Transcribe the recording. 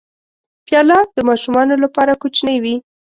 پیاله د ماشومانو لپاره کوچنۍ وي.